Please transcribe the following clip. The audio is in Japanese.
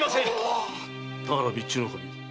田原備中守